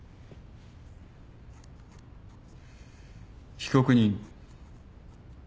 被告人。